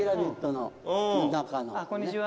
あっこんにちは。